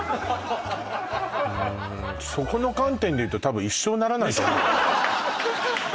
うんそこの観点でいうと多分一生ならないと思うならないですか？